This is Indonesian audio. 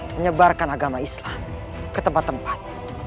menyebarkan agama islam ke tempat tempat